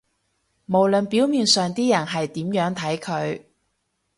無論表面上啲人係點樣睇佢